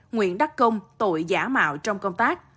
nguyễn đắc công tội giả mạo trong công tác